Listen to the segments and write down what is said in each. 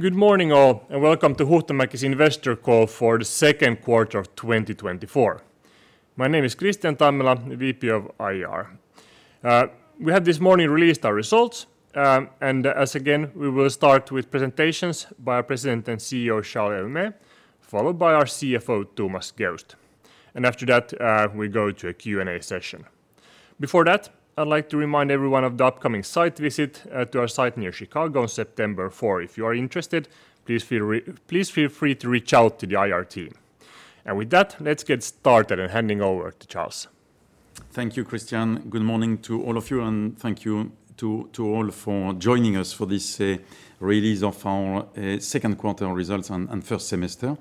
yGood morning, all, and welcome to Huhtamäki's investor call for the second quarter of 2024. My name is Kristian Tammela, VP of IR. We have this morning released our results, and again we will start with presentations by our President and CEO, Charles Héaulmé, followed by our CFO, Thomas Geust. And after that, we go to a Q&A session. Before that, I'd like to remind everyone of the upcoming site visit to our site near Chicago on September 4. If you are interested, please feel free to reach out to the IR team. And with that, let's get started and hand it over to Charles. Thank you, Kristian. Good morning to all of you, and thank you to all for joining us for this release of our second quarter results and first semester.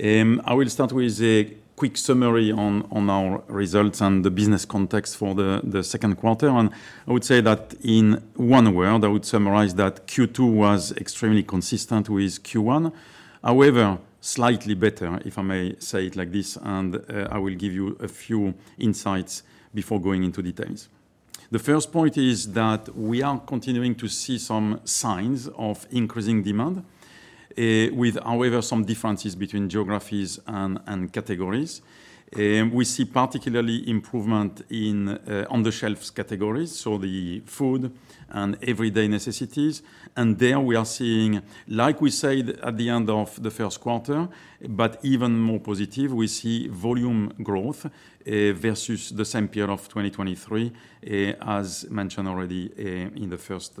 I will start with a quick summary on our results and the business context for the second quarter. I would say that in one word, I would summarize that Q2 was extremely consistent with Q1. However, slightly better, if I may say it like this, and I will give you a few insights before going into details. The first point is that we are continuing to see some signs of increasing demand, with, however, some differences between geographies and categories. We see particularly improvement in on-the-shelf categories, so the food and everyday necessities. And there we are seeing, like we said at the end of the first quarter, but even more positive, we see volume growth versus the same period of 2023, as mentioned already in the first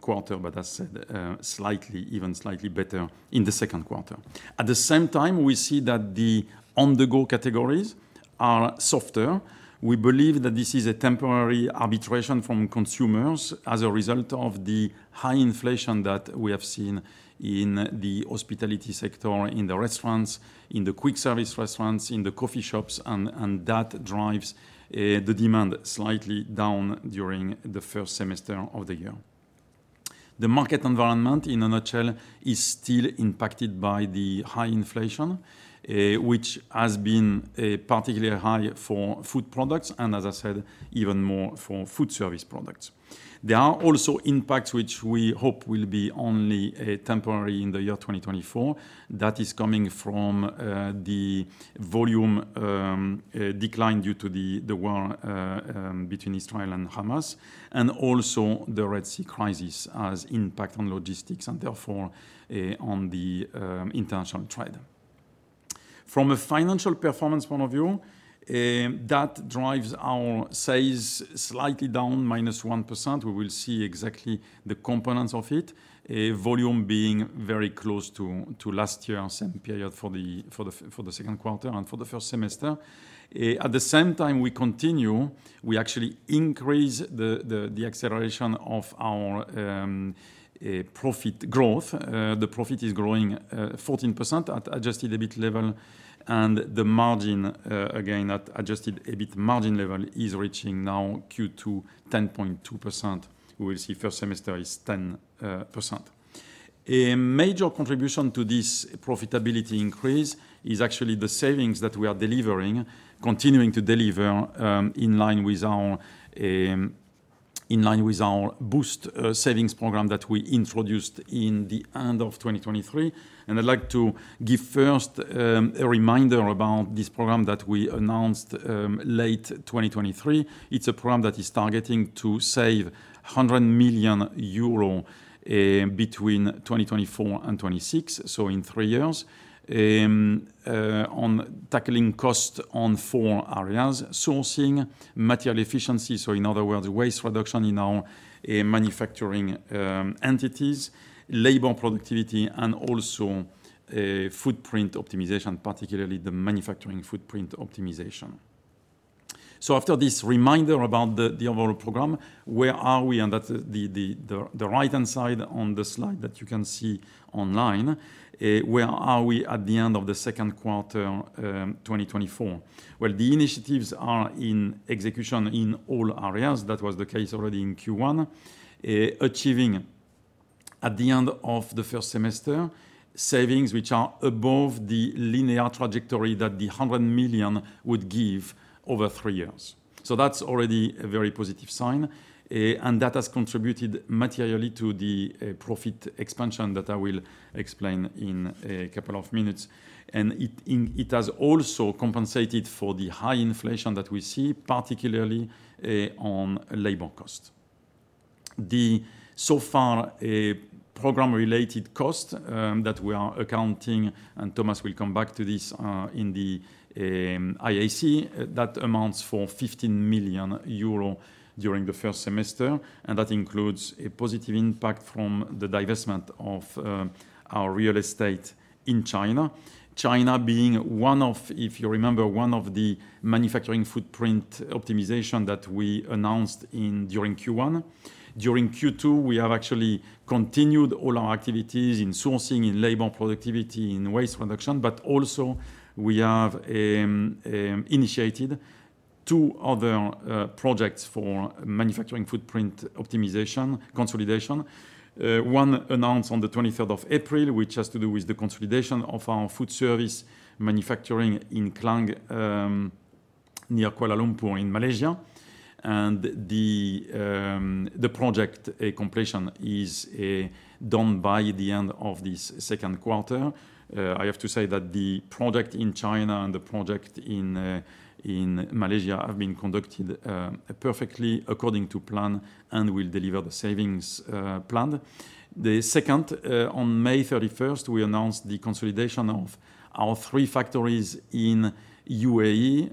quarter, but as said, slightly, even slightly better in the second quarter. At the same time, we see that the on-the-go categories are softer. We believe that this is a temporary arbitration from consumers as a result of the high inflation that we have seen in the hospitality sector, in the restaurants, in the quick-service restaurants, in the coffee shops, and that drives the demand slightly down during the first semester of the year. The market environment in a nutshell is still impacted by the high inflation, which has been particularly high for food products, and as I said, even more for Foodservice products. There are also impacts which we hope will be only temporary in the year 2024. That is coming from the volume decline due to the war between Israel and Hamas, and also the Red Sea crisis as impact on logistics and therefore on the international trade. From a financial performance point of view, that drives our sales slightly down, -1%. We will see exactly the components of it, volume being very close to last year's period for the second quarter and for the first semester. At the same time, we continue, we actually increase the acceleration of our profit growth. The profit is growing 14% at adjusted EBIT level, and the margin, again, at adjusted EBIT margin level is reaching now Q2 10.2%. We will see first semester is 10%. A major contribution to this profitability increase is actually the savings that we are delivering, continuing to deliver in line with our Boost savings program that we introduced at the end of 2023. I'd like to give first a reminder about this program that we announced late 2023. It's a program that is targeting to save 100 million euros between 2024 and 2026, so in three years, on tackling costs on four areas: sourcing, material efficiency, so in other words, waste reduction in our manufacturing entities, labor productivity, and also footprint optimization, particularly the manufacturing footprint optimization. After this reminder about the overall program, where are we? That's the right-hand side on the slide that you can see online. Where are we at the end of the second quarter 2024? Well, the initiatives are in execution in all areas. That was the case already in Q1, achieving at the end of the first semester savings which are above the linear trajectory that the 100 million would give over three years. So that's already a very positive sign, and that has contributed materially to the profit expansion that I will explain in a couple of minutes. And it has also compensated for the high inflation that we see, particularly on labor costs. The so-far program-related costs that we are accounting, and Thomas will come back to this in the IAC, that amounts to 15 million euro during the first semester, and that includes a positive impact from the divestment of our real estate in China. China being one of, if you remember, one of the manufacturing footprint optimization that we announced during Q1. During Q2, we have actually continued all our activities in sourcing, in labor productivity, in waste reduction, but also we have initiated two other projects for manufacturing footprint optimization, consolidation. One announced on the 23rd of April, which has to do with the consolidation of our Foodservice manufacturing in Klang near Kuala Lumpur in Malaysia. The project completion is done by the end of this second quarter. I have to say that the project in China and the project in Malaysia have been conducted perfectly according to plan and will deliver the savings planned. The second, on May 31st, we announced the consolidation of our three factories in U.A.E.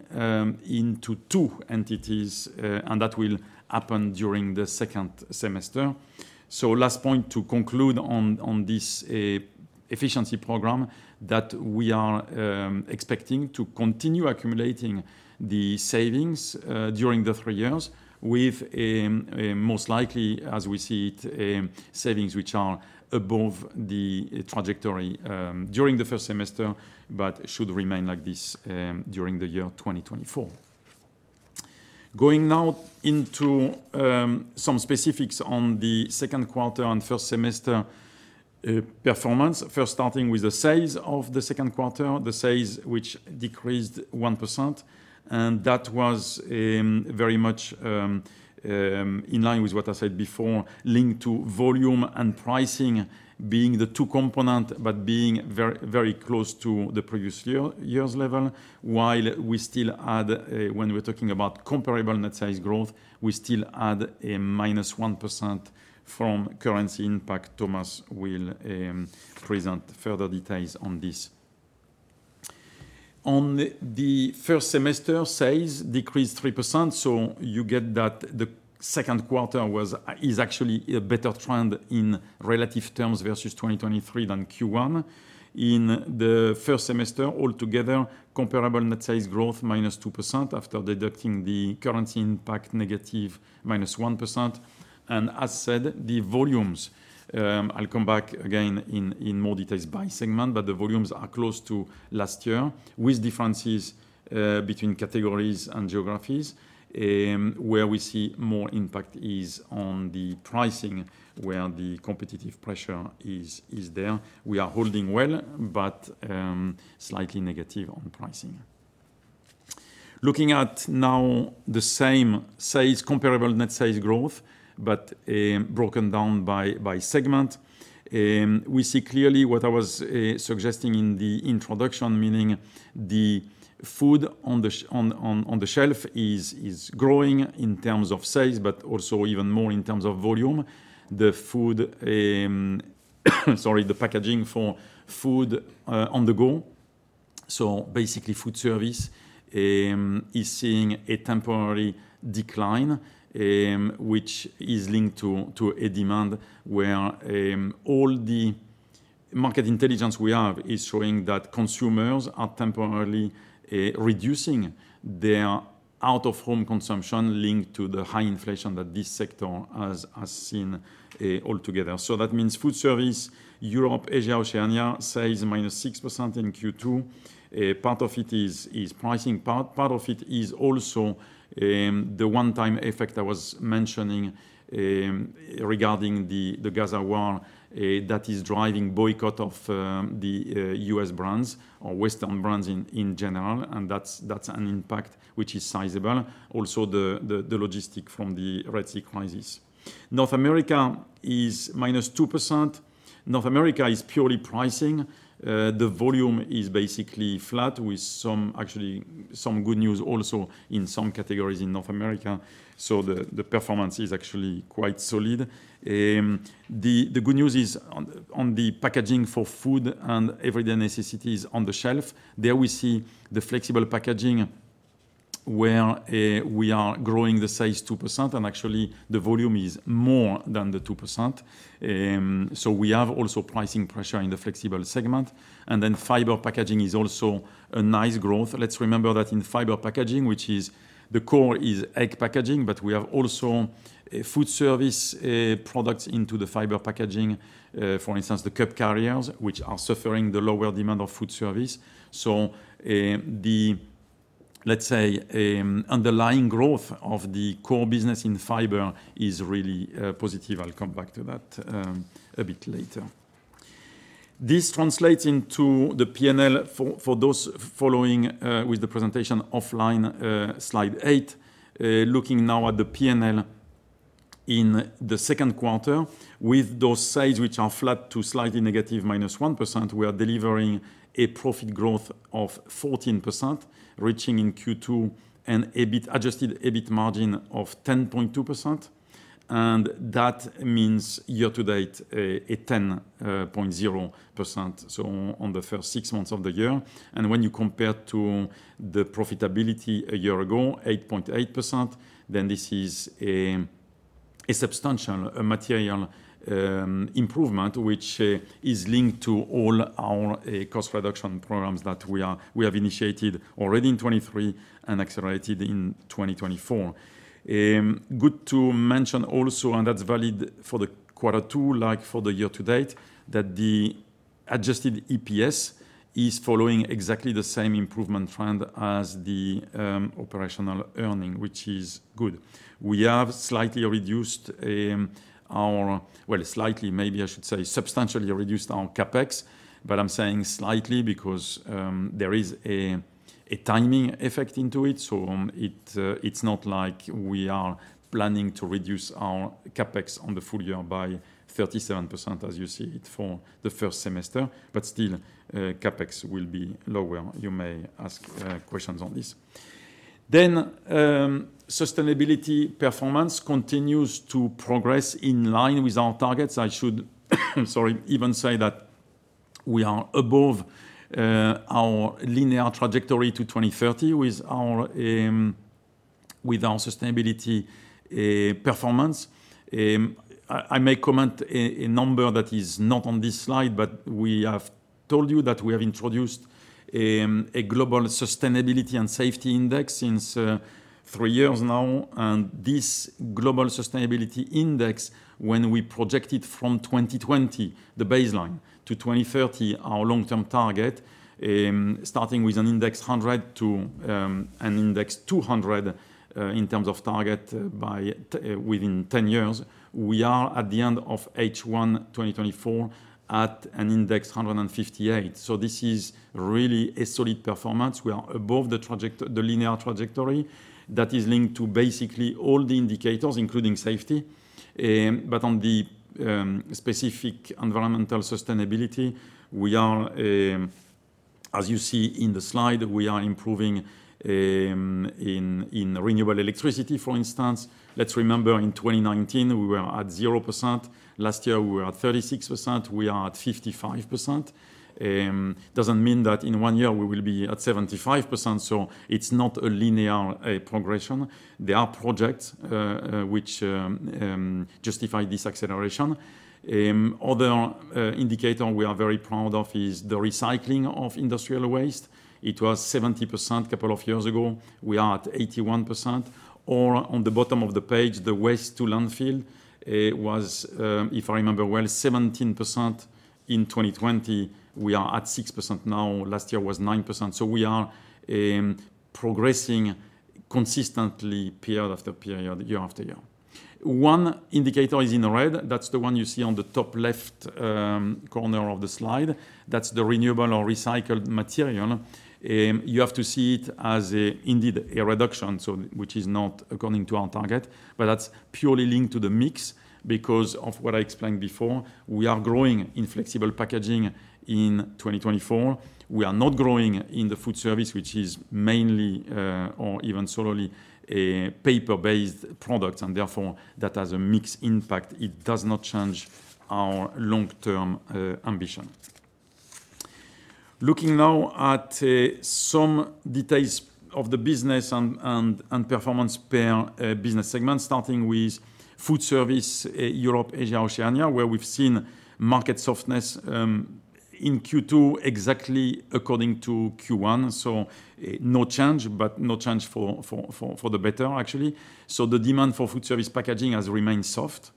into two entities, and that will happen during the second semester. So last point to conclude on this efficiency program, that we are expecting to continue accumulating the savings during the three years with most likely, as we see it, savings which are above the trajectory during the first semester, but should remain like this during the year 2024. Going now into some specifics on the second quarter and first semester performance, first starting with the sales of the second quarter, the sales which decreased 1%, and that was very much in line with what I said before, linked to volume and pricing being the two components, but being very close to the previous year's level, while we still had, when we're talking about comparable net sales growth, we still had a -1% from currency impact. Thomas will present further details on this. On the first semester, sales decreased 3%, so you get that the second quarter is actually a better trend in relative terms versus 2023 than Q1. In the first semester, altogether, comparable net sales growth -2% after deducting the currency impact negative -1%. As said, the volumes, I'll come back again in more details by segment, but the volumes are close to last year with differences between categories and geographies, where we see more impact is on the pricing, where the competitive pressure is there. We are holding well, but slightly negative on pricing. Looking at now the same sales, comparable net sales growth, but broken down by segment, we see clearly what I was suggesting in the introduction, meaning the food on the shelf is growing in terms of sales, but also even more in terms of volume. The food, sorry, the packaging for food on the go, so basically Foodservice is seeing a temporary decline, which is linked to a demand where all the market intelligence we have is showing that consumers are temporarily reducing their out-of-home consumption linked to the high inflation that this sector has seen altogether. So that means Foodservice, Europe, Asia, Oceania, sales -6% in Q2. Part of it is pricing, part of it is also the one-time effect I was mentioning regarding the Gaza war that is driving boycott of the U.S. brands or Western brands in general, and that's an impact which is sizable. Also the logistics from the Red Sea crisis. North America is -2%. North America is purely pricing. The volume is basically flat with actually some good news also in some categories in North America, so the performance is actually quite solid. The good news is on the packaging for food and everyday necessities on the shelf, there we see the Flexible Packaging where we are growing the sales 2%, and actually the volume is more than the 2%. So we have also pricing pressure in the flexible segment. And then Fiber Packaging is also a nice growth. Let's remember that in Fiber Packaging, which is the core is egg packaging, but we have also Foodservice products into the Fiber Packaging, for instance, the cup carriers, which are suffering the lower demand of Foodservice. So the, let's say, underlying growth of the core business in fiber is really positive. I'll come back to that a bit later. This translates into the P&L for those following with the presentation offline slide eight, looking now at the P&L in the second quarter with those sales which are flat to slightly negative -1%, we are delivering a profit growth of 14%, reaching in Q2 an adjusted EBIT margin of 10.2%. And that means year to date a 10.0%, so on the first six months of the year. And when you compare to the profitability a year ago, 8.8%, then this is a substantial, a material improvement which is linked to all our cost reduction programs that we have initiated already in 2023 and accelerated in 2024. Good to mention also, and that's valid for the quarter two, like for the year to date, that the adjusted EPS is following exactly the same improvement trend as the operational earning, which is good. We have slightly reduced our, well, slightly, maybe I should say substantially reduced our CapEx, but I'm saying slightly because there is a timing effect into it, so it's not like we are planning to reduce our CapEx on the full year by 37% as you see it for the first semester, but still CapEx will be lower. You may ask questions on this. Then sustainability performance continues to progress in line with our targets. I should, sorry, even say that we are above our linear trajectory to 2030 with our sustainability performance. I may comment a number that is not on this slide, but we have told you that we have introduced a Global Sustainability and Safety Index since three years now. This Global Sustainability Index, when we projected from 2020, the baseline to 2030, our long-term target, starting with an index 100 to an index 200 in terms of target within 10 years, we are at the end of H1 2024 at an index 158. So this is really a solid performance. We are above the linear trajectory that is linked to basically all the indicators, including safety. But on the specific environmental sustainability, we are, as you see in the slide, we are improving in renewable electricity, for instance. Let's remember in 2019, we were at 0%. Last year, we were at 36%. We are at 55%. Doesn't mean that in one year we will be at 75%, so it's not a linear progression. There are projects which justify this acceleration. Other indicator we are very proud of is the recycling of industrial waste. It was 70% a couple of years ago. We are at 81%. Or on the bottom of the page, the waste to landfill was, if I remember well, 17% in 2020. We are at 6% now. Last year was 9%. So we are progressing consistently period after period, year after year. One indicator is in red. That's the one you see on the top left corner of the slide. That's the renewable or recycled material. You have to see it as indeed a reduction, which is not according to our target, but that's purely linked to the mix because of what I explained before. We are growing in Flexible Packaging in 2024. We are not growing in the Foodservice, which is mainly or even solely paper-based products, and therefore that has a mixed impact. It does not change our long-term ambition. Looking now at some details of the business and performance per business segment, starting with Foodservice, Europe, Asia, Oceania, where we've seen market softness in Q2 exactly according to Q1. So no change, but no change for the better, actually. So the demand for Foodservice Packaging has remained soft,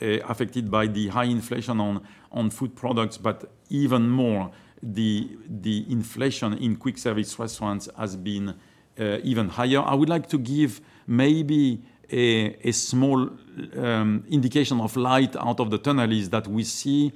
affected by the high inflation on food products, but even more, the inflation in quick service restaurants has been even higher. I would like to give maybe a small indication of light out of the tunnel is that we see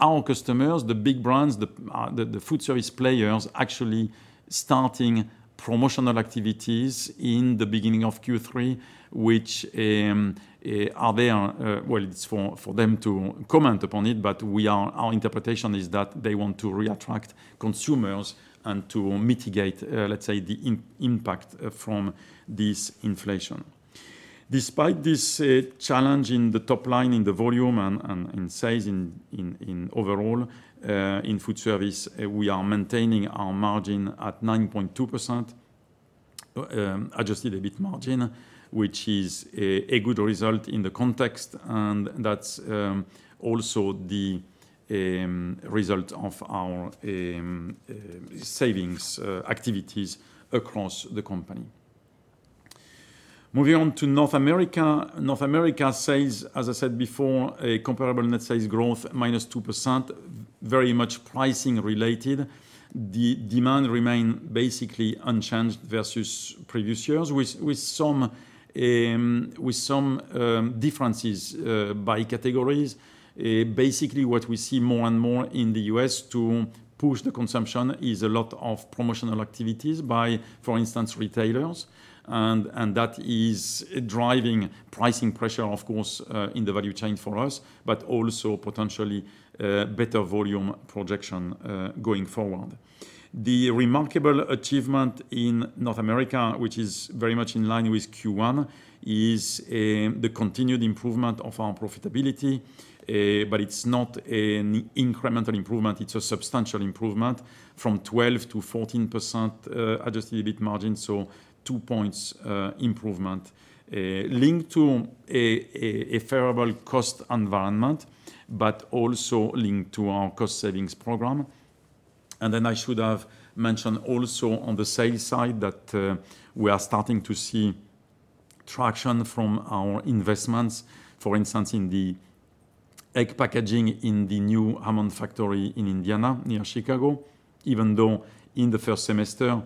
our customers, the big brands, the Foodservice players actually starting promotional activities in the beginning of Q3, which are there. Well, it's for them to comment upon it, but our interpretation is that they want to reattract consumers and to mitigate, let's say, the impact from this inflation. Despite this challenge in the top line, in the volume and in sales overall, in Foodservice, we are maintaining our margin at 9.2%, adjusted EBIT margin, which is a good result in the context, and that's also the result of our savings activities across the company. Moving on to North America. North America sales, as I said before, a comparable net sales growth -2%, very much pricing related. The demand remained basically unchanged versus previous years, with some differences by categories. Basically, what we see more and more in the U.S. to push the consumption is a lot of promotional activities by, for instance, retailers, and that is driving pricing pressure, of course, in the value chain for us, but also potentially better volume projection going forward. The remarkable achievement in North America, which is very much in line with Q1, is the continued improvement of our profitability, but it's not an incremental improvement. It's a substantial improvement from 12%-14% adjusted EBIT margin, so two points improvement linked to a favorable cost environment, but also linked to our cost savings program. And then I should have mentioned also on the sales side that we are starting to see traction from our investments, for instance, in the egg packaging in the new Hammond factory in Indiana, near Chicago, even though in the first semester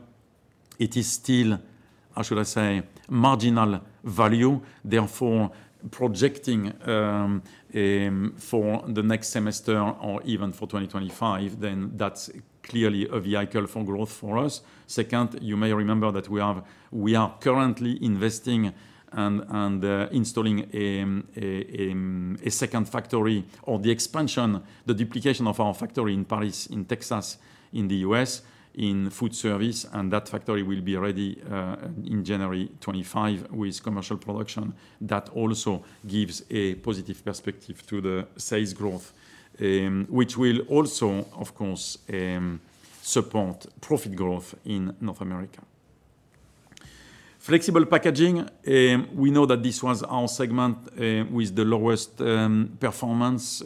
it is still, how should I say, marginal value. Therefore, projecting for the next semester or even for 2025, then that's clearly a vehicle for growth for us. Second, you may remember that we are currently investing and installing a second factory or the expansion, the duplication of our factory in Paris, in Texas, in the U.S., in Foodservice, and that factory will be ready in January 2025 with commercial production. That also gives a positive perspective to the sales growth, which will also, of course, support profit growth in North America. Flexible Packaging, we know that this was our segment with the lowest performance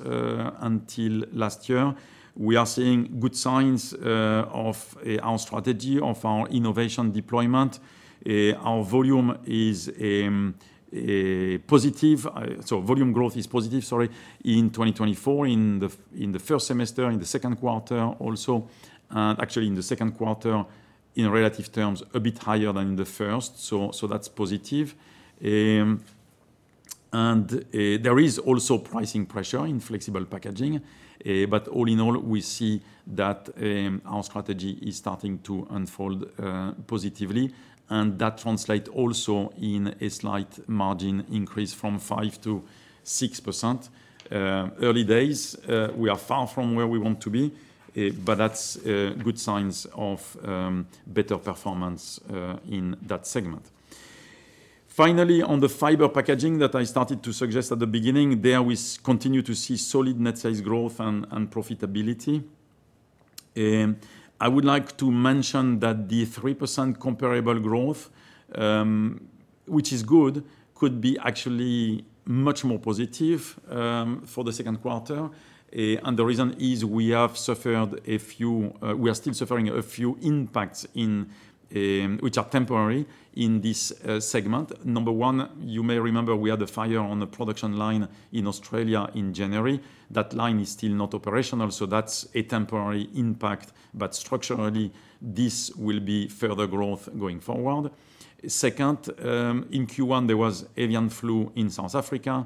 until last year. We are seeing good signs of our strategy, of our innovation deployment. Our volume is positive, so volume growth is positive, sorry, in 2024, in the first semester, in the second quarter also, and actually in the second quarter, in relative terms, a bit higher than in the first, so that's positive. There is also pricing pressure in Flexible Packaging, but all in all, we see that our strategy is starting to unfold positively, and that translates also in a slight margin increase from 5%-6%. Early days, we are far from where we want to be, but that's good signs of better performance in that segment. Finally, on the Fiber Packaging that I started to suggest at the beginning, there we continue to see solid net sales growth and profitability. I would like to mention that the 3% comparable growth, which is good, could be actually much more positive for the second quarter. And the reason is we have suffered a few, we are still suffering a few impacts which are temporary in this segment. Number one, you may remember we had a fire on the production line in Australia in January. That line is still not operational, so that's a temporary impact, but structurally, this will be further growth going forward. Second, in Q1, there was avian flu in South Africa,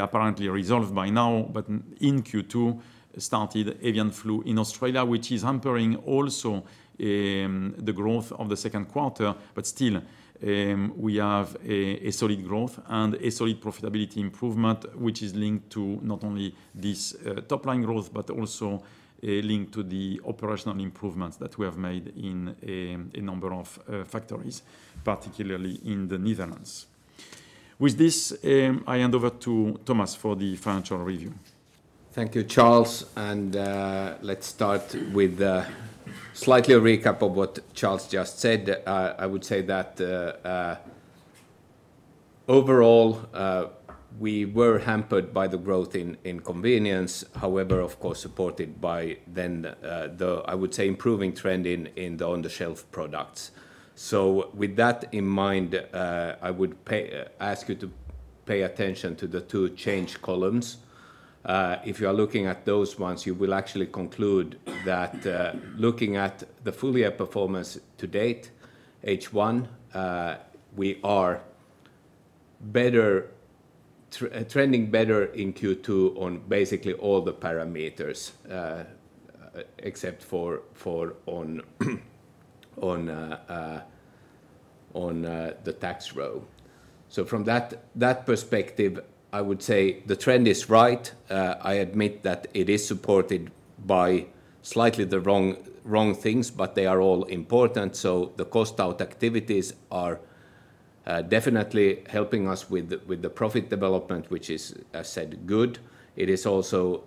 apparently resolved by now, but in Q2, started avian flu in Australia, which is hampering also the growth of the second quarter, but still we have a solid growth and a solid profitability improvement, which is linked to not only this top line growth, but also linked to the operational improvements that we have made in a number of factories, particularly in the Netherlands. With this, I hand over to Thomas for the financial review. Thank you, Charles. Let's start with slightly a recap of what Charles just said. I would say that overall, we were hampered by the growth in convenience, however, of course, supported by then the, I would say, improving trend in the on-the-shelf products. So with that in mind, I would ask you to pay attention to the two change columns. If you are looking at those ones, you will actually conclude that looking at the full year performance to date, H1, we are trending better in Q2 on basically all the parameters except for on the tax row. So from that perspective, I would say the trend is right. I admit that it is supported by slightly the wrong things, but they are all important. So the cost out activities are definitely helping us with the profit development, which is, as I said, good. It is also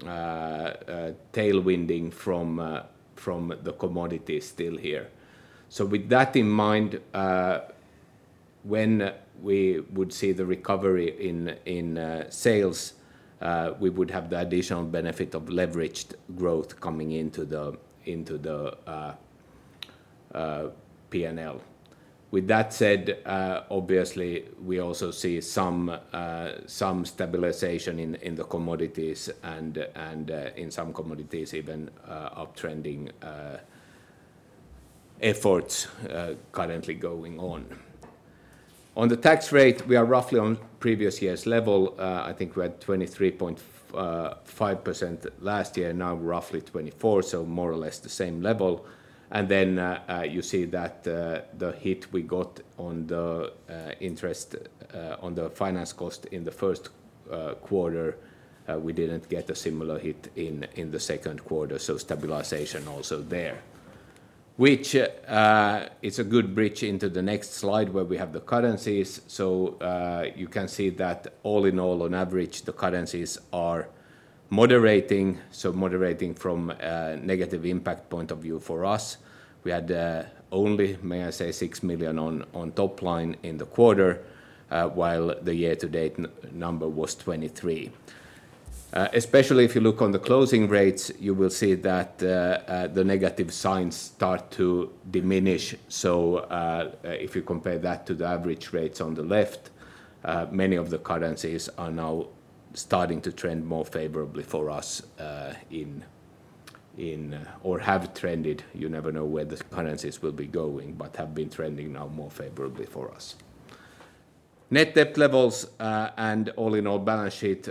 tailwind from the commodities still here. So with that in mind, when we would see the recovery in sales, we would have the additional benefit of leveraged growth coming into the P&L. With that said, obviously, we also see some stabilization in the commodities and in some commodities even uptrending efforts currently going on. On the tax rate, we are roughly on previous year's level. I think we had 23.5% last year, now roughly 24%, so more or less the same level. And then you see that the hit we got on the interest, on the finance cost in the first quarter, we didn't get a similar hit in the second quarter, so stabilization also there, which is a good bridge into the next slide where we have the currencies. So you can see that all in all, on average, the currencies are moderating, so moderating from a negative impact point of view for us. We had only, may I say, 6 million on top line in the quarter, while the year-to-date number was 23 million. Especially if you look on the closing rates, you will see that the negative signs start to diminish. So if you compare that to the average rates on the left, many of the currencies are now starting to trend more favorably for us in or have trended. You never know where the currencies will be going, but have been trending now more favorably for us. Net debt levels and all in all balance sheet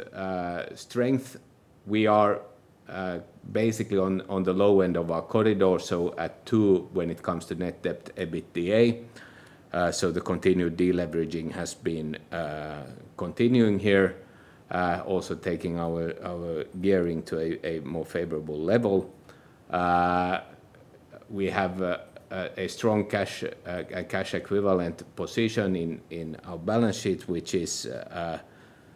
strength, we are basically on the low end of our corridor, so at 2x when it comes to net debt EBITDA. So the continued deleveraging has been continuing here, also taking our gearing to a more favorable level. We have a strong cash equivalent position in our balance sheet, which is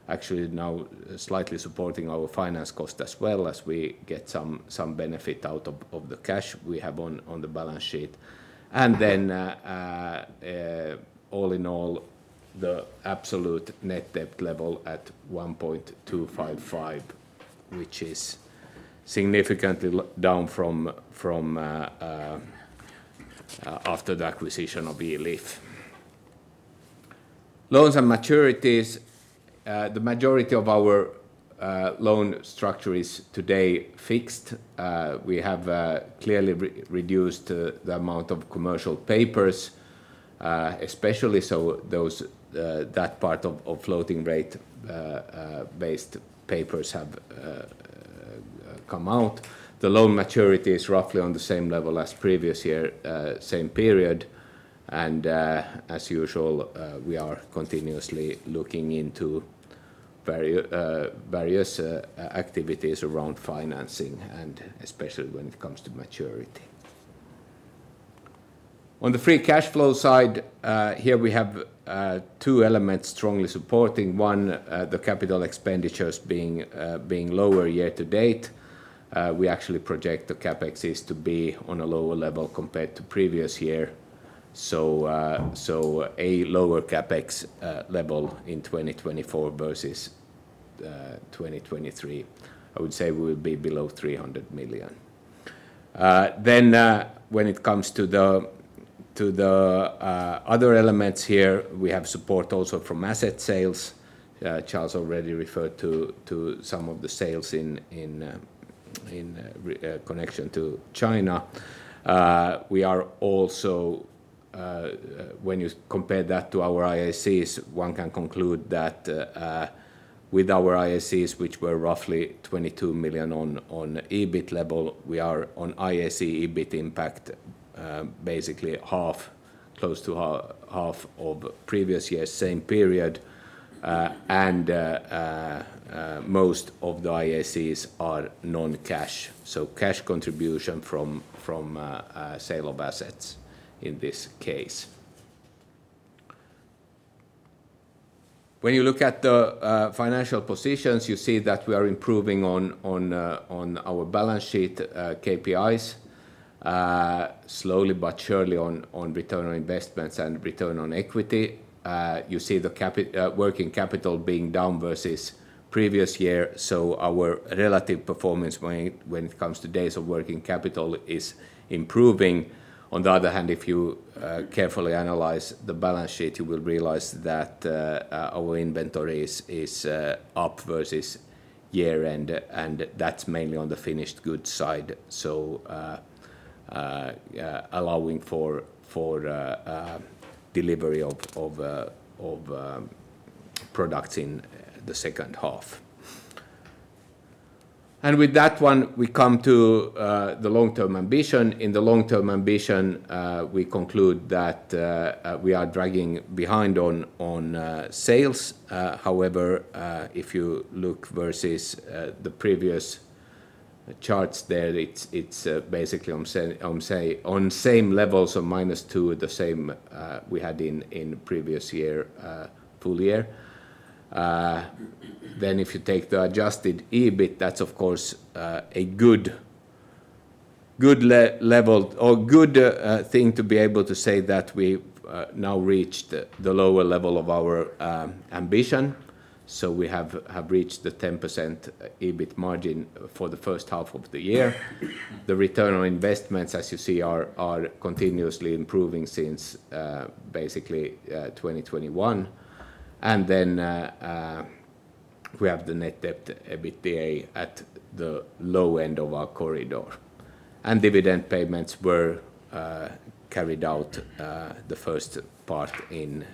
actually now slightly supporting our finance cost as well as we get some benefit out of the cash we have on the balance sheet. Then all in all, the absolute net debt level at 1.255 billion, which is significantly down from after the acquisition of Elif. Loans and maturities, the majority of our loan structure is today fixed. We have clearly reduced the amount of commercial papers, especially so that part of floating rate-based papers have come out. The loan maturity is roughly on the same level as previous year, same period. As usual, we are continuously looking into various activities around financing, and especially when it comes to maturity. On the free cash flow side, here we have two elements strongly supporting. One, the capital expenditures being lower year-to-date. We actually project the CapEx is to be on a lower level compared to previous year. A lower CapEx level in 2024 versus 2023, I would say we would be below 300 million. Then when it comes to the other elements here, we have support also from asset sales. Charles already referred to some of the sales in connection to China. We are also, when you compare that to our IACs, one can conclude that with our IACs, which were roughly 22 million on EBIT level, we are on IAC EBIT impact basically half, close to half of previous year's same period. And most of the IACs are non-cash, so cash contribution from sale of assets in this case. When you look at the financial positions, you see that we are improving on our balance sheet KPIs, slowly but surely on return on investments and return on equity. You see the working capital being down versus previous year, so our relative performance when it comes to days of working capital is improving. On the other hand, if you carefully analyze the balance sheet, you will realize that our inventory is up versus year-end, and that's mainly on the finished goods side, so allowing for delivery of products in the second half. And with that one, we come to the long-term ambition. In the long-term ambition, we conclude that we are dragging behind on sales. However, if you look versus the previous charts there, it's basically on same levels of -2%, the same we had in previous year, full year. Then if you take the adjusted EBIT, that's of course a good level or good thing to be able to say that we now reached the lower level of our ambition. So we have reached the 10% EBIT margin for the first half of the year. The return on investments, as you see, are continuously improving since basically 2021. Then we have the net debt EBITDA at the low end of our corridor. Dividend payments were carried out, the first part in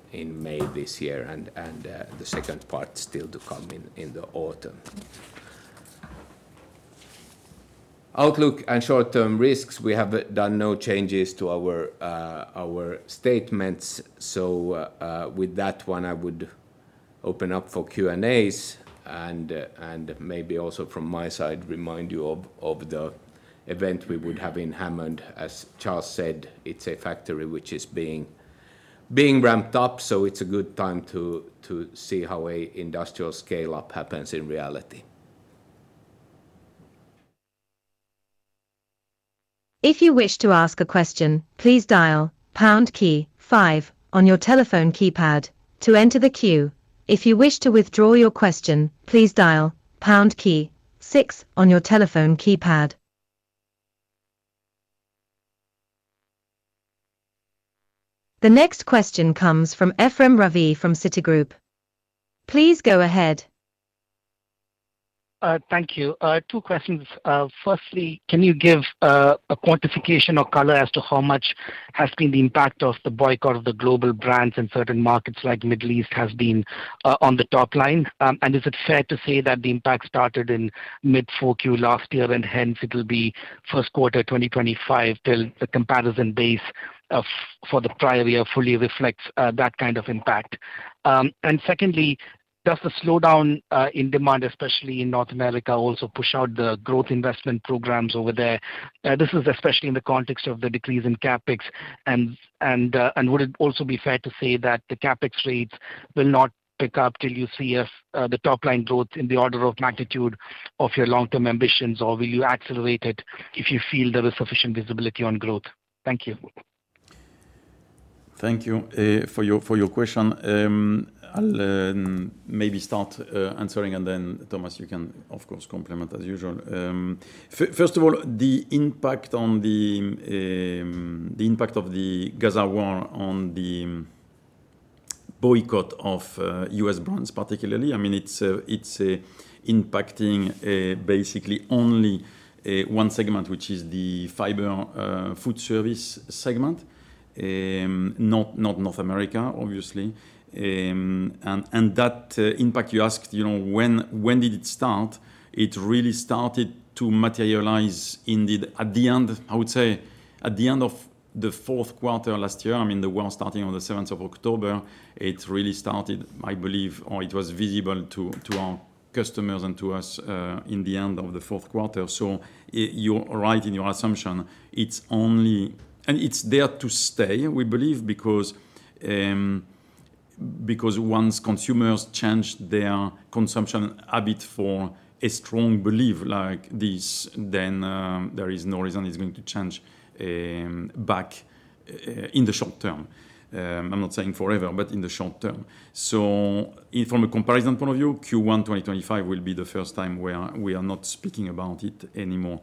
May this year, and the second part still to come in the autumn. Outlook and short-term risks, we have done no changes to our statements. With that one, I would open up for Q&As and maybe also from my side, remind you of the event we would have in Hammond. As Charles said, it's a factory which is being ramped up, so it's a good time to see how an industrial scale-up happens in reality. If you wish to ask a question, please dial pound key five on your telephone keypad to enter the queue. If you wish to withdraw your question, please dial pound key six on your telephone keypad. The next question comes from Ephrem Ravi from Citigroup. Please go ahead. Thank you. Two questions. Firstly, can you give a quantification or color as to how much has been the impact of the boycott of the global brands in certain markets like the Middle East has been on the top line? And is it fair to say that the impact started in mid-Q4 last year and hence it will be first quarter 2025 till the comparison base for the prior year fully reflects that kind of impact? And secondly, does the slowdown in demand, especially in North America, also push out the growth investment programs over there? This is especially in the context of the decrease in CapEx. Would it also be fair to say that the CapEx rates will not pick up till you see the top line growth in the order of magnitude of your long-term ambitions, or will you accelerate it if you feel there is sufficient visibility on growth? Thank you. Thank you for your question. I'll maybe start answering, and then Thomas, you can of course complement as usual. First of all, the impact of the Gaza war on the boycott of U.S. brands particularly, I mean, it's impacting basically only one segment, which is the Fiber Foodservice segment, not North America, obviously. And that impact you asked, when did it start? It really started to materialize indeed at the end, I would say, at the end of the fourth quarter last year. I mean, the war starting on the 7th of October, it really started, I believe, or it was visible to our customers and to us in the end of the fourth quarter. So you're right in your assumption. It's only, and it's there to stay, we believe, because once consumers change their consumption habit for a strong belief like this, then there is no reason it's going to change back in the short term. I'm not saying forever, but in the short term. So from a comparison point of view, Q1 2025 will be the first time where we are not speaking about it anymore.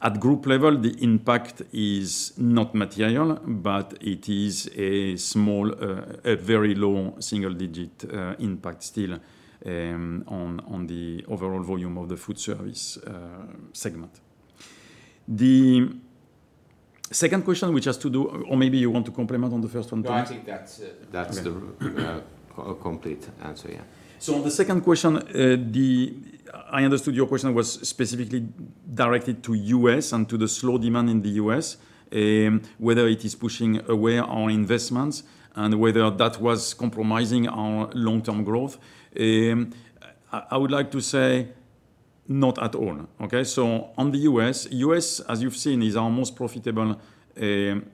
At group level, the impact is not material, but it is a small, very low single-digit impact still on the overall volume of the Foodservice segment. The second question, which has to do, or maybe you want to complement on the first one. I think that's the complete answer, yeah. So on the second question, I understood your question was specifically directed to U.S. and to the slow demand in the U.S., whether it is pushing away our investments and whether that was compromising our long-term growth. I would like to say not at all. Okay? So on the U.S., U.S., as you've seen, is our most profitable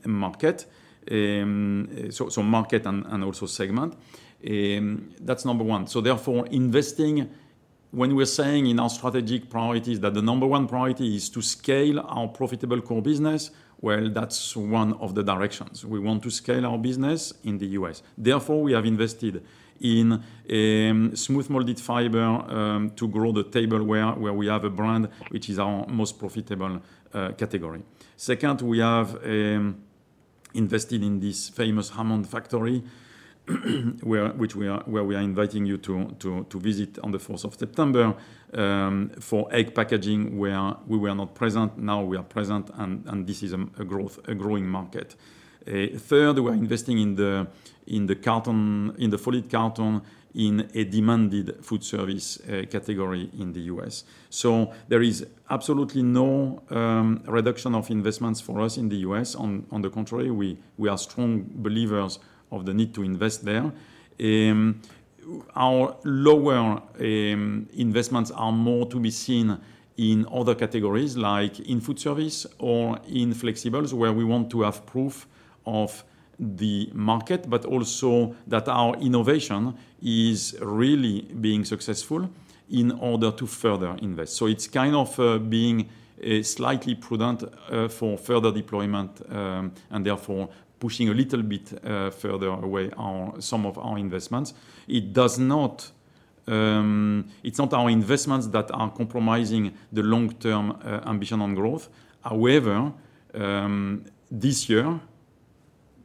market, so market and also segment. That's number one. So therefore, investing, when we're saying in our strategic priorities that the number one priority is to scale our profitable core business, well, that's one of the directions. We want to scale our business in the U.S. Therefore, we have invested in smooth molded fiber to grow the tableware where we have a brand which is our most profitable category. Second, we have invested in this famous Hammond factory, which we are inviting you to visit on the 4th of September for egg packaging, where we were not present. Now we are present, and this is a growing market. Third, we're investing in the folding carton in a demanded Foodservice category in the U.S. So there is absolutely no reduction of investments for us in the U.S. On the contrary, we are strong believers of the need to invest there. Our lower investments are more to be seen in other categories like in Foodservice or in flexibles, where we want to have proof of the market, but also that our innovation is really being successful in order to further invest. So it's kind of being slightly prudent for further deployment and therefore pushing a little bit further away some of our investments. It's not our investments that are compromising the long-term ambition on growth. However, this year,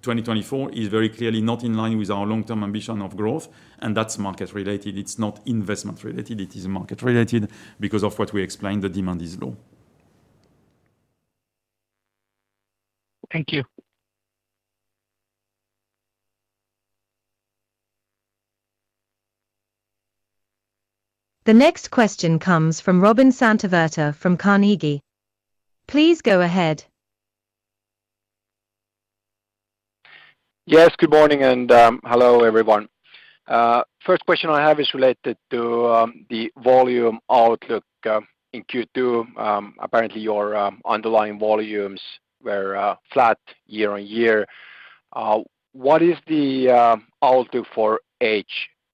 2024, is very clearly not in line with our long-term ambition of growth, and that's market-related. It's not investment-related. It is market-related because of what we explained, the demand is low. Thank you. The next question comes from Robin Santavirta from Carnegie. Please go ahead. Yes, good morning and hello everyone. First question I have is related to the volume outlook in Q2. Apparently, your underlying volumes were flat year-on-year. What is the outlook for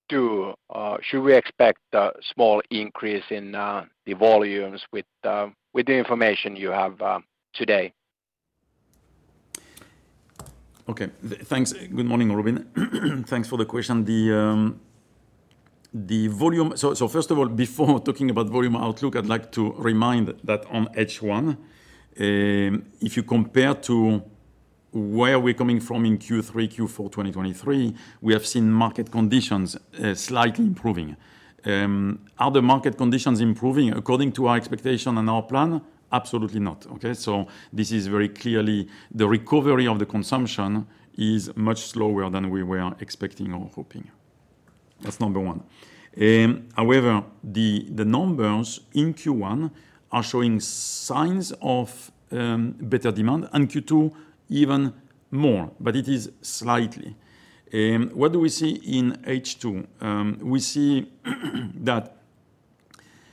H2? Should we expect a small increase in the volumes with the information you have today? Okay, thanks. Good morning, Robin. Thanks for the question. So first of all, before talking about volume outlook, I'd like to remind that on H1, if you compare to where we're coming from in Q3, Q4 2023, we have seen market conditions slightly improving. Are the market conditions improving according to our expectation and our plan? Absolutely not. Okay? So this is very clearly the recovery of the consumption is much slower than we were expecting or hoping. That's number one. However, the numbers in Q1 are showing signs of better demand and Q2 even more, but it is slightly. What do we see in H2? We see that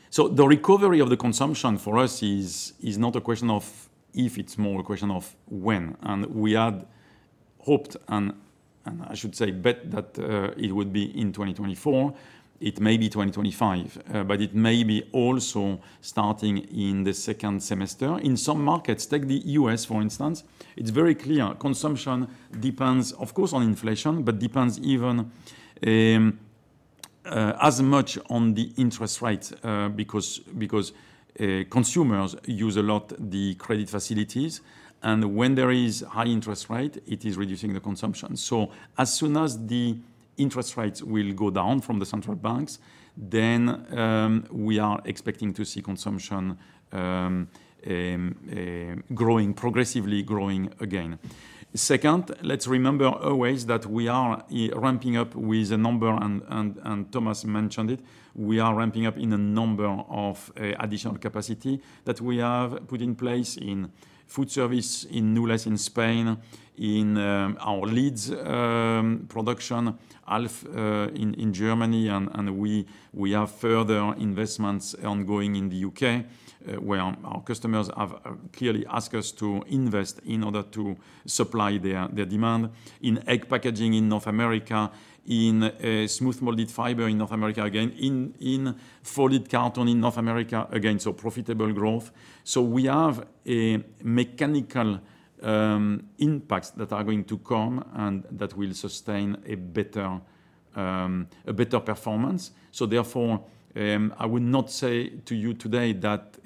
so the recovery of the consumption for us is not a question of if it's more, a question of when. And we had hoped and I should say bet that it would be in 2024. It may be 2025, but it may be also starting in the second semester. In some markets, take the U.S. for instance, it's very clear consumption depends, of course, on inflation, but depends even as much on the interest rates because consumers use a lot the credit facilities. When there is high interest rate, it is reducing the consumption. As soon as the interest rates will go down from the central banks, then we are expecting to see consumption growing, progressively growing again. Second, let's remember always that we are ramping up with a number, and Thomas mentioned it. We are ramping up in a number of additional capacity that we have put in place in Foodservice in Nules, in Spain, in our lids production, Alf in Germany, and we have further investments ongoing in the U.K. where our customers have clearly asked us to invest in order to supply their demand in egg packaging in North America, in smooth molded fiber in North America again, in folding carton in North America again. So profitable growth. So we have mechanical impacts that are going to come and that will sustain a better performance. So therefore, I would not say to you today that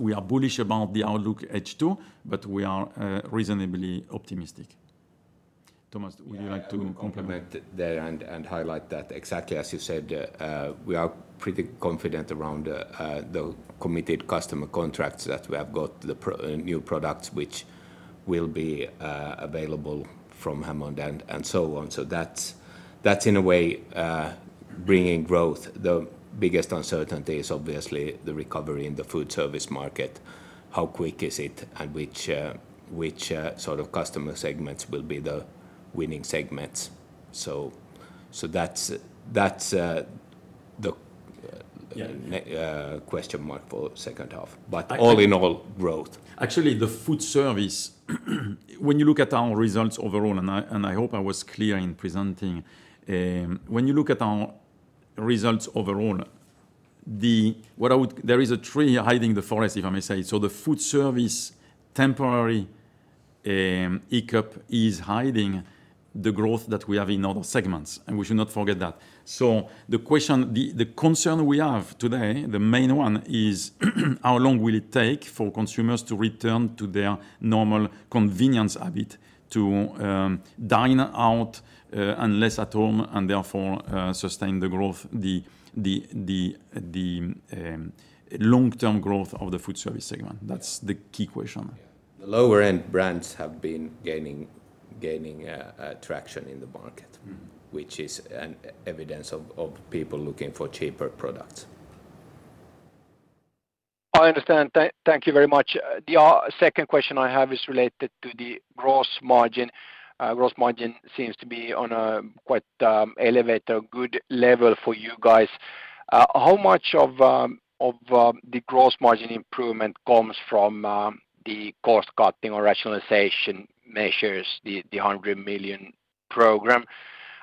we are bullish about the outlook H2, but we are reasonably optimistic. Thomas, would you like to comment? Comment there and highlight that exactly as you said, we are pretty confident around the committed customer contracts that we have got the new products which will be available from Hammond and so on. So that's in a way bringing growth. The biggest uncertainty is obviously the recovery in the Foodservice market. How quick is it and which sort of customer segments will be the winning segments? So that's the question mark for the second half. But all in all, growth. Actually, the Foodservice, when you look at our results overall, and I hope I was clear in presenting, when you look at our results overall, there is a tree hiding the forest, if I may say. So the Foodservice temporary hiccup is hiding the growth that we have in other segments, and we should not forget that. So the question, the concern we have today, the main one is how long will it take for consumers to return to their normal convenience habit to dine out and less at home and therefore sustain the growth, the long-term growth of the Foodservice segment. That's the key question. The lower-end brands have been gaining traction in the market, which is an evidence of people looking for cheaper products. I understand. Thank you very much. The second question I have is related to the gross margin. Gross margin seems to be on a quite elevated, good level for you guys. How much of the gross margin improvement comes from the cost cutting or rationalization measures, the 100 million program?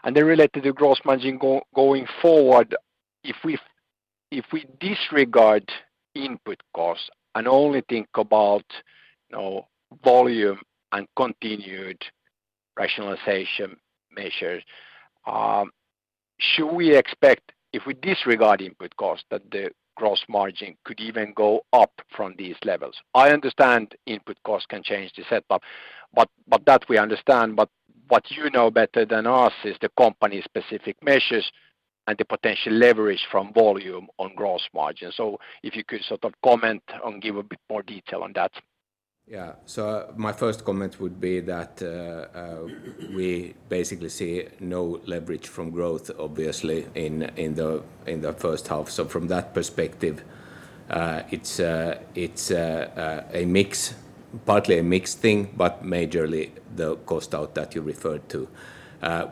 And then related to gross margin going forward, if we disregard input costs and only think about volume and continued rationalization measures, should we expect, if we disregard input costs, that the gross margin could even go up from these levels? I understand input costs can change the setup, but that we understand. But what you know better than us is the company-specific measures and the potential leverage from volume on gross margin. So if you could sort of comment and give a bit more detail on that. Yeah. So my first comment would be that we basically see no leverage from growth, obviously, in the first half. So from that perspective, it's a mix, partly a mixed thing, but majorly the cost out that you referred to.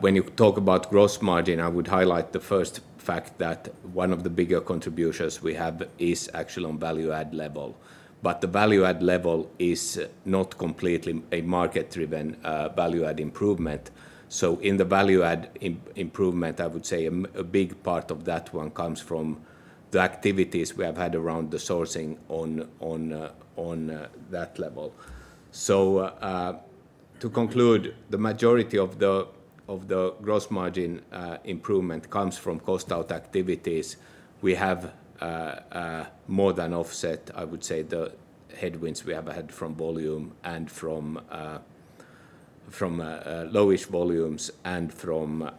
When you talk about gross margin, I would highlight the first fact that one of the bigger contributions we have is actually on value-add level. But the value-add level is not completely a market-driven value-add improvement. So in the value-add improvement, I would say a big part of that one comes from the activities we have had around the sourcing on that level. So to conclude, the majority of the gross margin improvement comes from cost-out activities. We have more than offset, I would say, the headwinds we have had from volume and from lowish volumes and from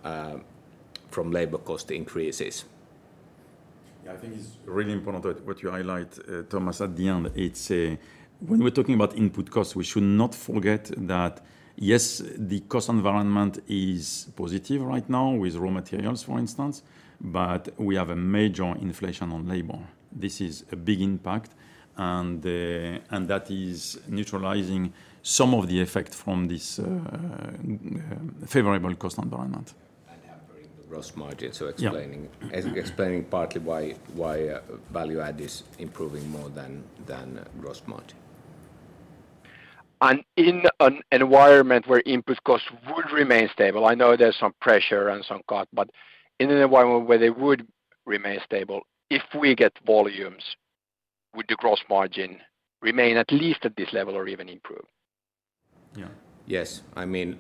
labor cost increases. Yeah, I think it's really important what you highlight, Thomas. At the end, it's when we're talking about input costs, we should not forget that, yes, the cost environment is positive right now with raw materials, for instance, but we have a major inflation on labor. This is a big impact, and that is neutralizing some of the effect from this favorable cost environment. Hampering the gross margin. Explaining partly why value-add is improving more than gross margin. In an environment where input costs would remain stable, I know there's some pressure and some cut, but in an environment where they would remain stable, if we get volumes, would the gross margin remain at least at this level or even improve? Yeah. Yes. I mean,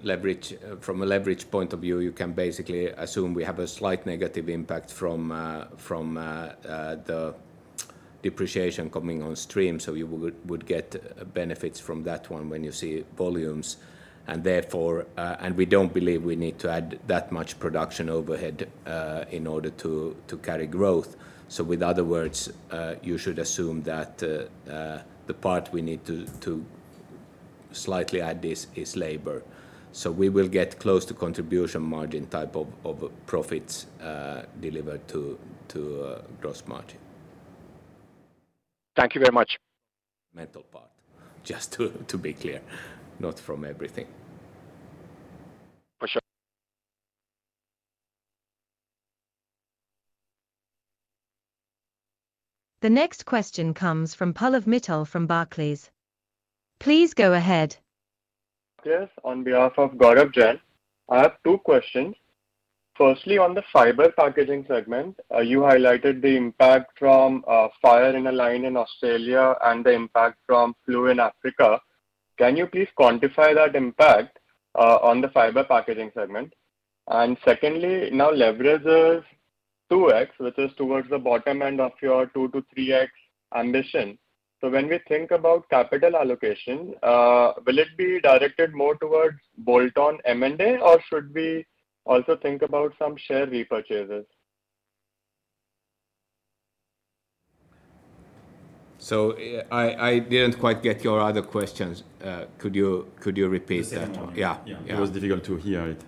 from a leverage point of view, you can basically assume we have a slight negative impact from the depreciation coming on stream. So you would get benefits from that one when you see volumes. And we don't believe we need to add that much production overhead in order to carry growth. So in other words, you should assume that the part we need to slightly add is labor. So we will get close to contribution margin type of profits delivered to gross margin. Thank you very much. Mental part, just to be clear, not from everything. For sure. The next question comes from Pallav Mittal from Barclays. Please go ahead. Yes, on behalf of Gaurav Jain, I have two questions. Firstly, on the Fiber Packaging segment, you highlighted the impact from fire in a line in Australia and the impact from flu in Africa. Can you please quantify that impact on the Fiber Packaging segment? And secondly, now leverage is 2x, which is towards the bottom end of your 2x-3x ambition. So when we think about capital allocation, will it be directed more towards bolt-on M&A, or should we also think about some share repurchases? I didn't quite get your other question. Could you repeat that one? Yeah. Yeah, it was difficult to hear it.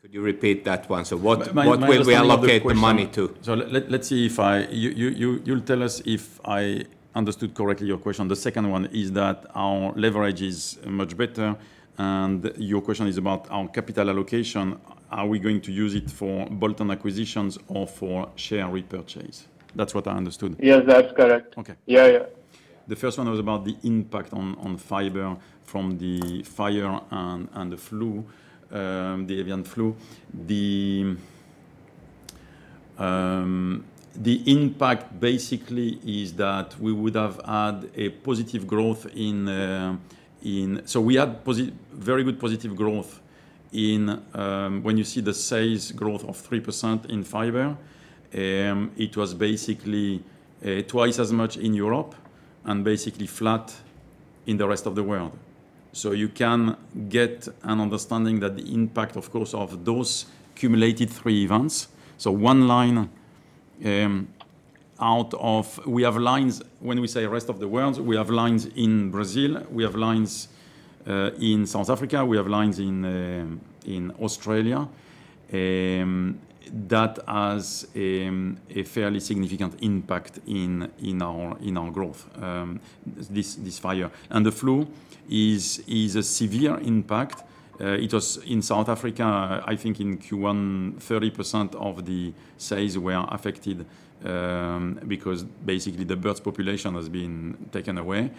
Could you repeat that one? So what will we allocate the money to? Let's see if I, you'll tell us if I understood correctly your question. The second one is that our leverage is much better. Your question is about our capital allocation. Are we going to use it for bolt-on acquisitions or for share repurchase? That's what I understood. Yes, that's correct. Yeah, yeah. The first one was about the impact on fiber from the fire and the flu, the avian flu. The impact basically is that we would have had a positive growth in, so we had very good positive growth in when you see the sales growth of 3% in fiber. It was basically twice as much in Europe and basically flat in the rest of the world. So you can get an understanding that the impact, of course, of those cumulated three events. So one line out of, we have lines when we say rest of the world, we have lines in Brazil, we have lines in South Africa, we have lines in Australia. That has a fairly significant impact in our growth, this fire. And the flu is a severe impact. It was in South Africa, I think in Q1, 30% of the sales were affected because basically the birds population has been taken away.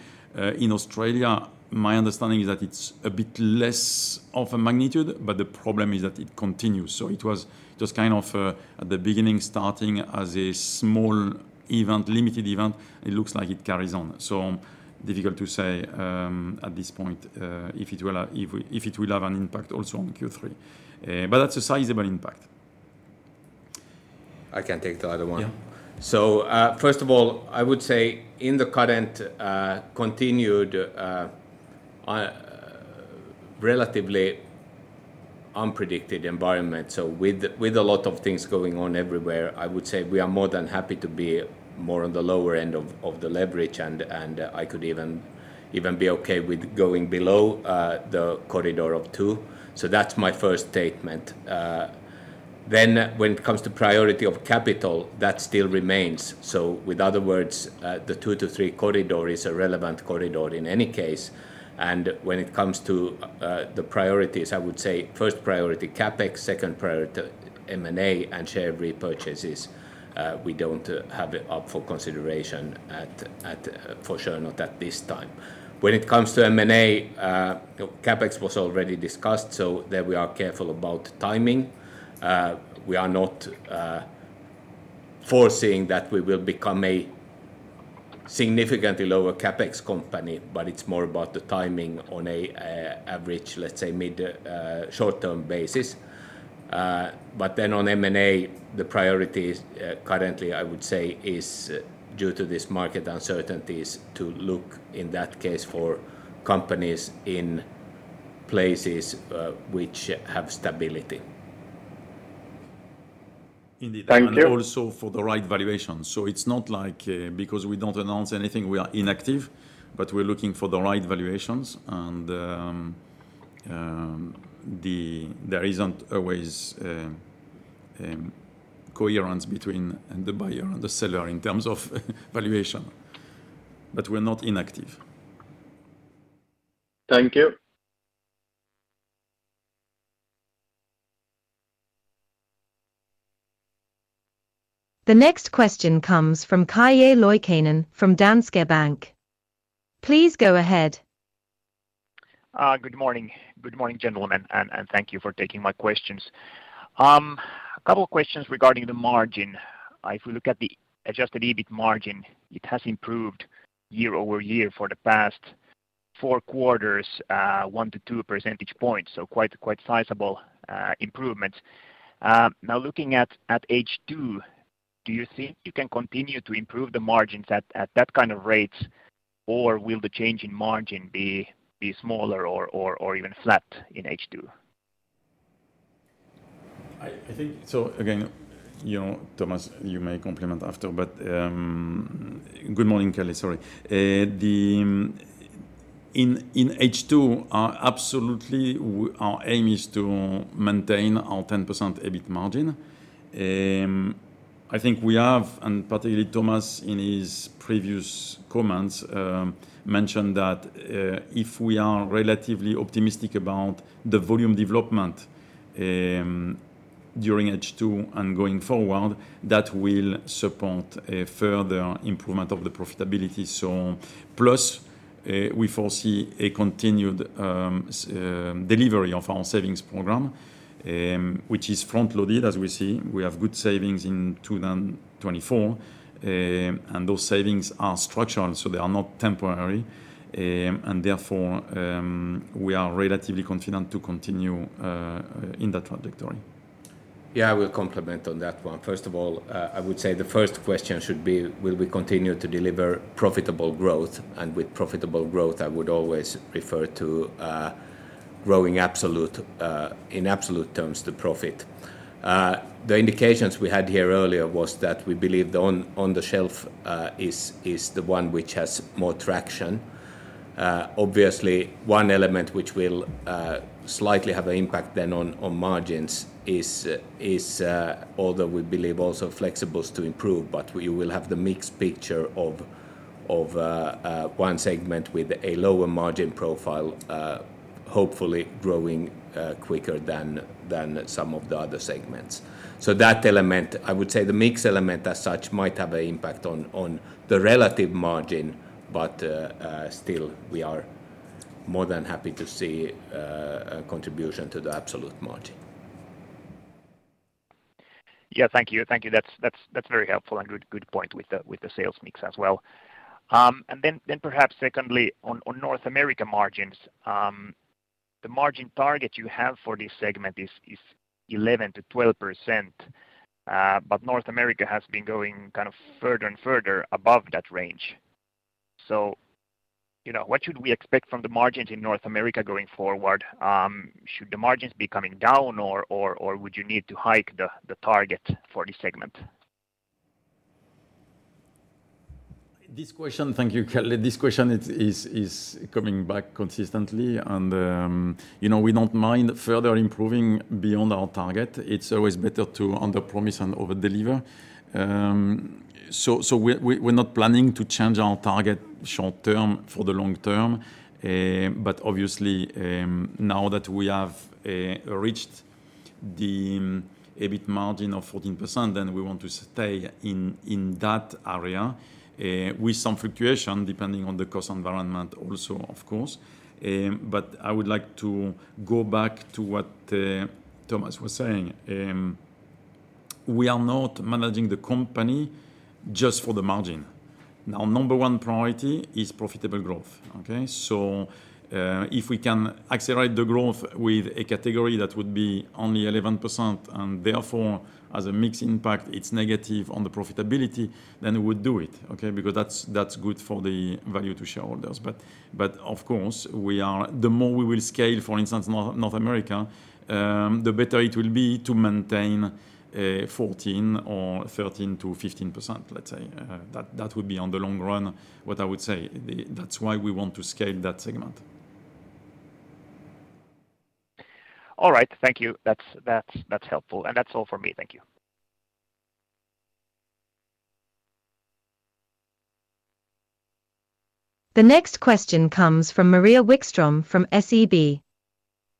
In Australia, my understanding is that it's a bit less of a magnitude, but the problem is that it continues. So it was just kind of at the beginning, starting as a small event, limited event, it looks like it carries on. So difficult to say at this point if it will have an impact also on Q3. But that's a sizable impact. I can take the other one. Yeah. So first of all, I would say in the current continued relatively unpredictable environment, so with a lot of things going on everywhere, I would say we are more than happy to be more on the lower end of the leverage, and I could even be okay with going below the corridor of 2x. So that's my first statement. Then when it comes to priority of capital, that still remains. So in other words, the 2x-3x corridor is a relevant corridor in any case. And when it comes to the priorities, I would say first priority CapEx, second priority M&A, and share repurchases, we don't have it up for consideration, at least for sure not at this time. When it comes to M&A, CapEx was already discussed, so there we are careful about timing. We are not foreseeing that we will become a significantly lower CapEx company, but it's more about the timing on an average, let's say, mid-short-term basis. But then on M&A, the priority currently, I would say, is due to this market uncertainties to look in that case for companies in places which have stability. Indeed. Thank you. Also for the right valuation. So it's not like because we don't announce anything, we are inactive, but we're looking for the right valuations, and there isn't always coherence between the buyer and the seller in terms of valuation. But we're not inactive. Thank you. The next question comes from Calle Loikkanen from Danske Bank. Please go ahead. Good morning. Good morning, gentlemen, and thank you for taking my questions. A couple of questions regarding the margin. If we look at the adjusted EBIT margin, it has improved year-over-year for the past four quarters, 1-2 percentage points. So quite sizable improvements. Now looking at H2, do you think you can continue to improve the margins at that kind of rates, or will the change in margin be smaller or even flat in H2? I think, so again, Thomas, you may comment after, but good morning, Calle, sorry. In H2, absolutely, our aim is to maintain our 10% EBIT margin. I think we have, and particularly Thomas in his previous comments mentioned that if we are relatively optimistic about the volume development during H2 and going forward, that will support a further improvement of the profitability. So plus, we foresee a continued delivery of our savings program, which is front-loaded, as we see. We have good savings in 2024, and those savings are structural, so they are not temporary. And therefore, we are relatively confident to continue in that trajectory. Yeah, I will comment on that one. First of all, I would say the first question should be, will we continue to deliver profitable growth? And with profitable growth, I would always refer to growing in absolute terms to profit. The indications we had here earlier was that we believe the on-the-shelf is the one which has more traction. Obviously, one element which will slightly have an impact then on margins is, although we believe also flexibles to improve, but you will have the mixed picture of one segment with a lower margin profile, hopefully growing quicker than some of the other segments. So that element, I would say the mixed element as such might have an impact on the relative margin, but still, we are more than happy to see a contribution to the absolute margin. Yeah, thank you. Thank you. That's very helpful and good point with the sales mix as well. And then perhaps secondly, on North America margins, the margin target you have for this segment is 11%-12%, but North America has been going kind of further and further above that range. So what should we expect from the margins in North America going forward? Should the margins be coming down, or would you need to hike the target for this segment? This question, thank you, Calle. This question is coming back consistently, and we don't mind further improving beyond our target. It's always better to underpromise and overdeliver. So we're not planning to change our target short-term for the long term, but obviously, now that we have reached the EBIT margin of 14%, then we want to stay in that area with some fluctuation depending on the cost environment also, of course. But I would like to go back to what Thomas was saying. We are not managing the company just for the margin. Now, number one priority is profitable growth. So if we can accelerate the growth with a category that would be only 11%, and therefore, as a mixed impact, it's negative on the profitability, then we would do it because that's good for the value to shareholders. But of course, the more we will scale, for instance, North America, the better it will be to maintain 14% or 13%-15%, let's say. That would be on the long run, what I would say. That's why we want to scale that segment. All right. Thank you. That's helpful. And that's all for me. Thank you. The next question comes from Maria Wikstrom from SEB.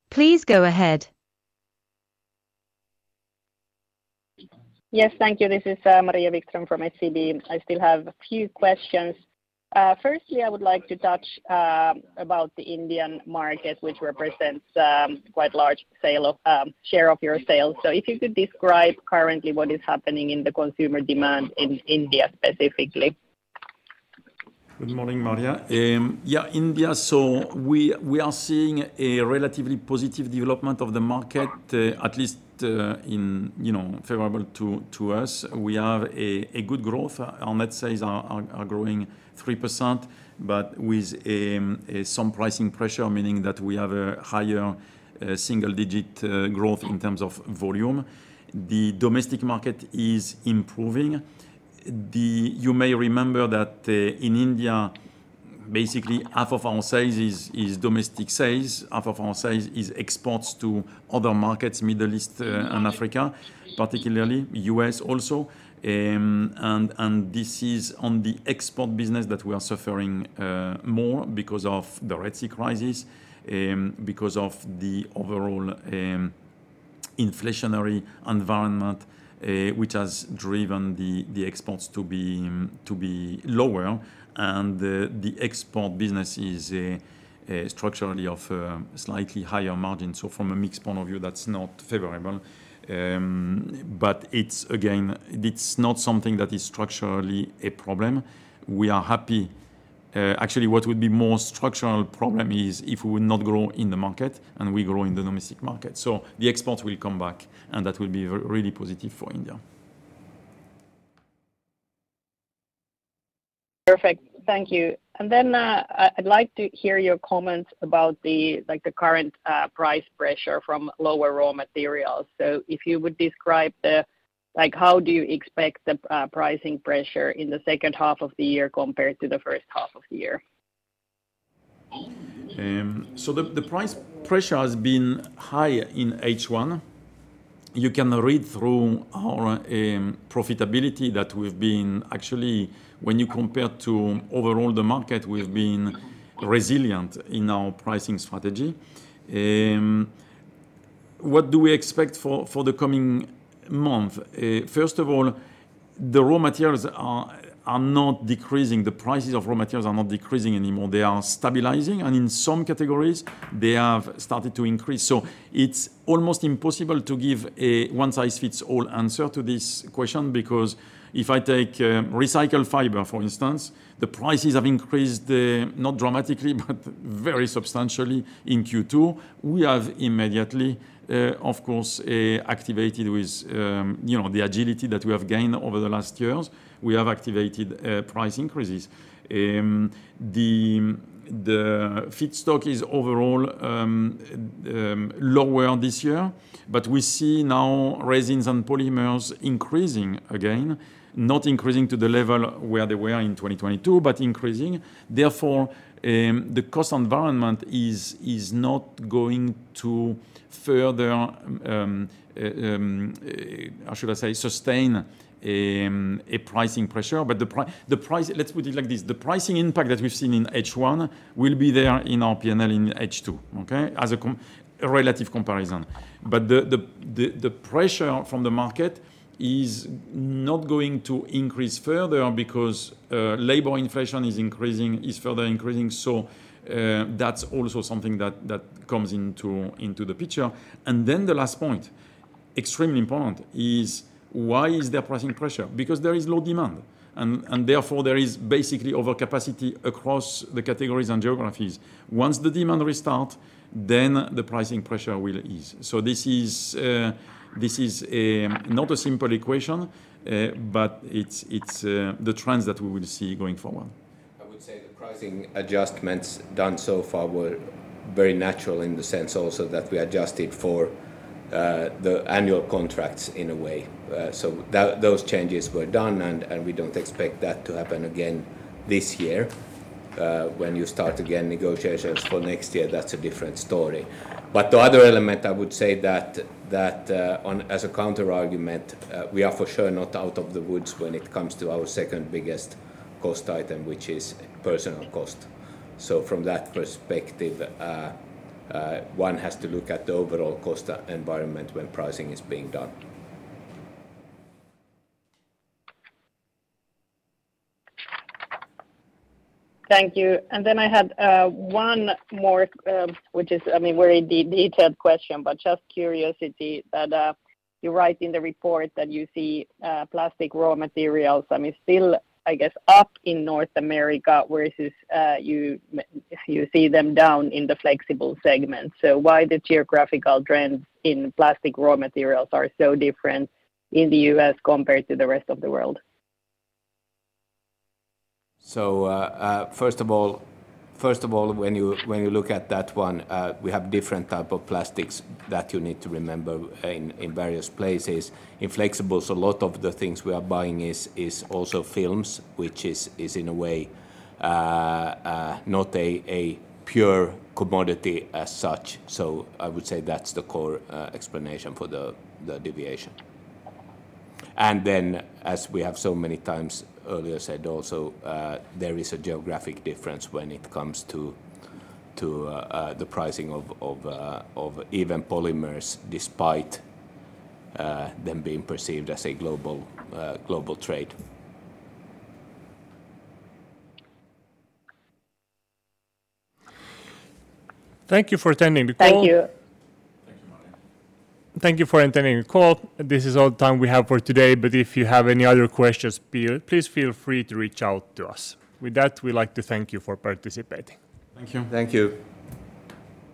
Please go ahead. Yes, thank you. This is Maria Wikstrom from SEB. I still have a few questions. Firstly, I would like to touch about the Indian market, which represents quite a large share of your sales. So if you could describe currently what is happening in the consumer demand in India specifically. Good morning, Maria. Yeah, India. So we are seeing a relatively positive development of the market, at least favorable to us. We have a good growth. Our net sales are growing 3%, but with some pricing pressure, meaning that we have a higher single-digit growth in terms of volume. The domestic market is improving. You may remember that in India, basically half of our sales is domestic sales. Half of our sales is exports to other markets, Middle East and Africa, particularly U.S. also. And this is on the export business that we are suffering more because of the Red Sea crisis, because of the overall inflationary environment, which has driven the exports to be lower. And the export business is structurally of a slightly higher margin. So from a mixed point of view, that's not favorable. But again, it's not something that is structurally a problem. We are happy. Actually, what would be more structural problem is if we would not grow in the market and we grow in the domestic market. So the exports will come back, and that will be really positive for India. Perfect. Thank you. And then I'd like to hear your comments about the current price pressure from lower raw materials. So if you would describe how you expect the pricing pressure in the second half of the year compared to the first half of the year? The price pressure has been high in H1. You can read through our profitability that we've been actually, when you compare to overall the market, we've been resilient in our pricing strategy. What do we expect for the coming month? First of all, the raw materials are not decreasing. The prices of raw materials are not decreasing anymore. They are stabilizing, and in some categories, they have started to increase. So it's almost impossible to give a one-size-fits-all answer to this question because if I take recycled fiber, for instance, the prices have increased not dramatically, but very substantially in Q2. We have immediately, of course, activated with the agility that we have gained over the last years, we have activated price increases. The feedstock is overall lower this year, but we see now resins and polymers increasing again, not increasing to the level where they were in 2022, but increasing. Therefore, the cost environment is not going to further, how should I say, sustain a pricing pressure. Let's put it like this. The pricing impact that we've seen in H1 will be there in our P&L in H2, okay, as a relative comparison. The pressure from the market is not going to increase further because labor inflation is further increasing. That's also something that comes into the picture. Then the last point, extremely important, is why is there pricing pressure? Because there is low demand, and therefore, there is basically overcapacity across the categories and geographies. Once the demand restarts, then the pricing pressure will ease. This is not a simple equation, but it's the trends that we will see going forward. I would say the pricing adjustments done so far were very natural in the sense also that we adjusted for the annual contracts in a way. So those changes were done, and we don't expect that to happen again this year. When you start again negotiations for next year, that's a different story. But the other element, I would say that as a counterargument, we are for sure not out of the woods when it comes to our second biggest cost item, which is personnel cost. So from that perspective, one has to look at the overall cost environment when pricing is being done. Thank you. And then I had one more, which is a very detailed question, but just curiosity that you write in the report that you see plastic raw materials still, I guess, up in North America versus you see them down in the flexible segment. So why the geographical trends in plastic raw materials are so different in the U.S. compared to the rest of the world? So first of all, when you look at that one, we have different types of plastics that you need to remember in various places. In flexibles, a lot of the things we are buying is also films, which is in a way not a pure commodity as such. So I would say that's the core explanation for the deviation. And then, as we have so many times earlier said also, there is a geographic difference when it comes to the pricing of even polymers despite them being perceived as a global trade. Thank you for attending the call. Thank you. Thank you for attending the call. This is all the time we have for today, but if you have any other questions, please feel free to reach out to us. With that, we'd like to thank you for participating. Thank you. Thank you.